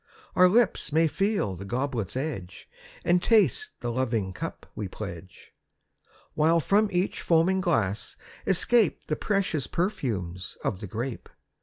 Our lips may feel the goblet's edge And taste the loving cup we pledge. While from each foaming glass escape The precious perfumes of the grape.